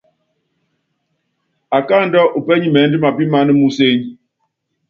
Akáándɔ u pɛ́nimɛ́nd mapiman museny.